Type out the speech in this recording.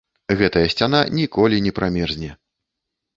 Гэтая сцяна ніколі не прамерзне!